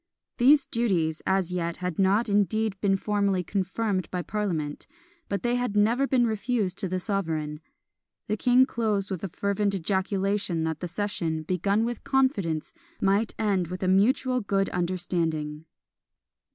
These duties as yet had not indeed been formally confirmed by parliament, but they had never been refused to the sovereign. The king closed with a fervent ejaculation that the session, begun with confidence, might end with a mutual good understanding.